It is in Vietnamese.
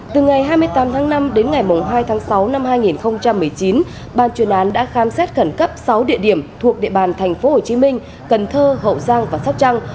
từ ngày hai mươi tám tháng năm đến ngày hai tháng sáu năm hai nghìn một mươi chín ban chuyên án đã khám xét khẩn cấp sáu địa điểm thuộc địa bàn tp hcm cần thơ hậu giang và sóc trăng